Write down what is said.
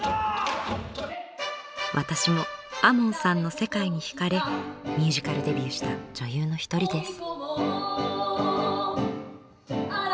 私も亞門さんの世界にひかれミュージカルデビューした女優の一人です。